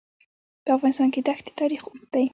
په افغانستان کې د ښتې تاریخ اوږد دی.